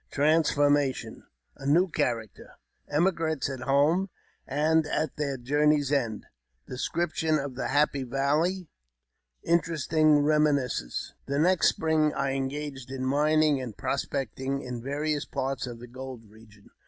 — Transformation. — A new Character. — Emigrant's at home and at their Journey's End. — Description of the Happy Valley. — Interesting Eeminiscence. THE next spring I engaged in mining and prospecting in various parts of the gold region.